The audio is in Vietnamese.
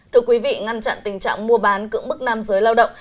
thưa quý vị ngăn chặn tình trạng mua bán cưỡng bức nam giới lao động